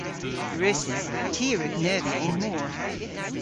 Gwrussys. Ty a wrug neuvya y'n mor.